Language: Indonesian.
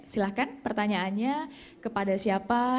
silahkan pertanyaannya kepada siapa